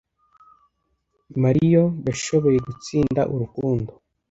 Mario yashoboye gutsinda urukundo